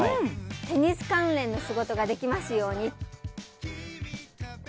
テニス関連の仕事ができますように。